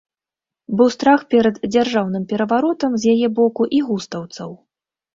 Быў страх перад дзяржаўным пераваротам з яе боку і густаўцаў.